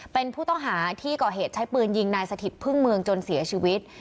เป็นผู้ต้องหาที่ก่อเหตุใช้ปืนยิงนายสถิตพึ่งเมืองจนเสียชีวิต